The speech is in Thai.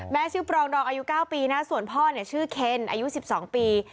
ชื่อปรองดองอายุ๙ปีนะส่วนพ่อชื่อเคนอายุ๑๒ปี